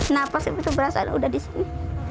napas itu berasa udah disini